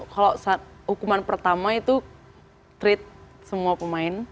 kalau hukuman pertama itu treat semua pemain